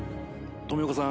富岡さん。